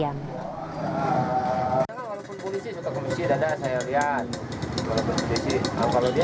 jangan walaupun polisi suatu komisi ada ada sayang